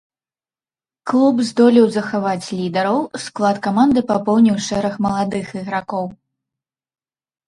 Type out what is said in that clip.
Клуб здолеў захаваць лідараў, склад каманды папоўніў шэраг маладых ігракоў.